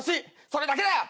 それだけだよ！